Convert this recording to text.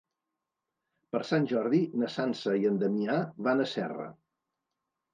Per Sant Jordi na Sança i en Damià van a Serra.